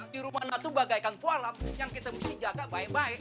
di rumah natu bagaikan kualam yang kita mesti jaga baik baik